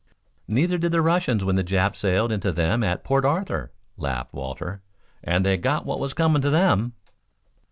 "Neither did the Russians when the Japs sailed into them at Port Arthur," laughed Walter. "And they got what was coming to them."